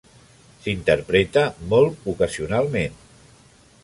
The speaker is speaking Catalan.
S'interpreta molt ocasionalment.